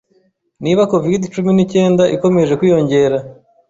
niba Covid-cumi nicyenda ikomeje kwiyongera